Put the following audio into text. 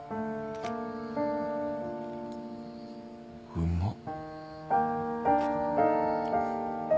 うまっ。